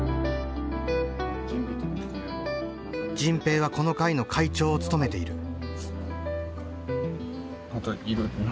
迅平はこの会の会長を務めている。